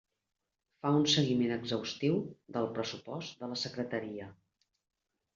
Fa un seguiment exhaustiu del pressupost de la Secretaria.